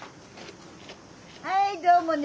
はいどうもね。